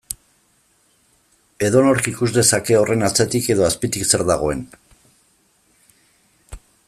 Edonork ikus dezake horren atzetik edo azpitik zer dagoen.